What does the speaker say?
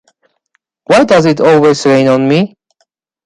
Why Does It Always Rain on Me?